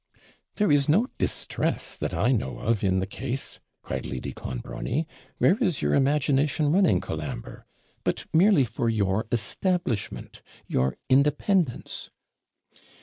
'There is no distress, that I know of, in the case,' cried Lady Clonbrony. 'Where is your imagination running, Colambre? But merely for your establishment, your independence.'